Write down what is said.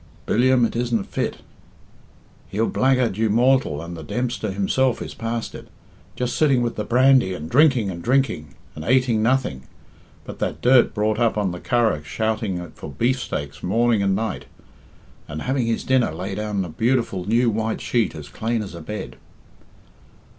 "Billiam? It isn't fit. He'll blackguard you mortal, and the Dempster himself is past it. Just sitting with the brandy and drinking and drinking, and ateing nothing; but that dirt brought up on the Curragh shouting for beefstakes morning and night, and having his dinner laid on a beautiful new white sheet as clane as a bed."